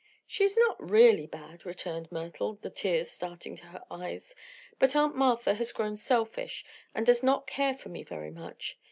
"She is not really bad," returned Myrtle, the tears starting to her eyes. "But Aunt Martha has grown selfish, and does not care for me very much.